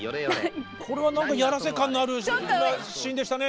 これは何かやらせ感のあるシーンでしたね。